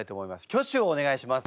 挙手をお願いします。